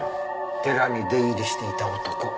寺に出入りしていた男。